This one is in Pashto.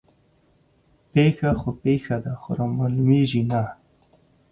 پيښه خو پيښه ده خو رامعلومېږي نه